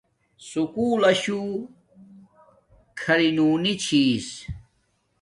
سکُول لشو کھری نونی چھس